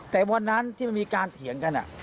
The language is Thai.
แต่วันนั้นที่มันมีการเถียงกัน